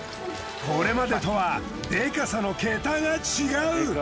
これまでとはデカさの桁が違う。